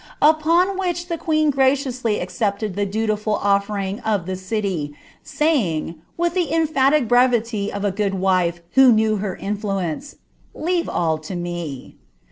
Upon which the queen graciously accepted the dutiful offering of the city, saying, with the emphatic brevity of a good wife who knew her innuence, ^ Leave all to me."